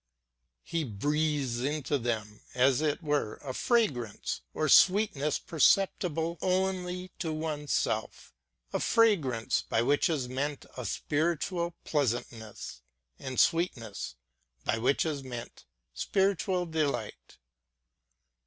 He breathes into them as it were a fragrance or sweetness perceptible only to oneself. A fragrance, by which is meant a spiritual pleasantness; and sweetness, by which is meant spiritual delight.